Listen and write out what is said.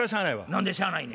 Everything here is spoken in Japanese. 何でしゃあないねん。